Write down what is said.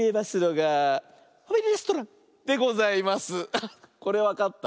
あっこれわかった？